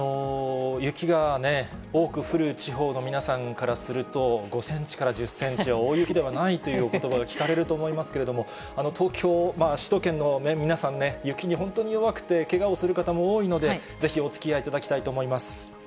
雪が多く降る地方の皆さんからすると、５センチから１０センチは大雪ではないというおことばが聞かれると思いますけれども、東京、首都圏の皆さんね、雪に本当に弱くてけがをする方も多いので、ぜひおつきあいいただきたいと思います。